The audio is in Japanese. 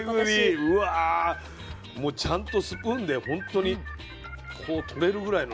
うわもうちゃんとスプーンで本当にこう取れるぐらいのね。